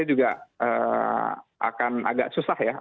ini juga akan agak susah ya